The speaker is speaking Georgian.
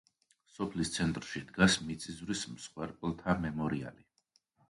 სოფლის ცენტრში დგას მიწისძვრის მსხვერპლთა მემორიალი.